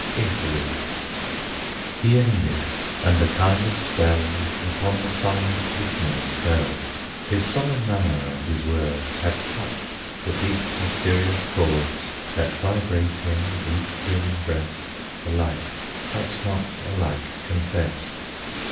INTERLUDE. He ended: and a kind of spell Upon the silent listeners fell. His solemn manner and his words Had touched the deep, mysterious chords, That vibrate in each human breast Alike, but not alike confessed.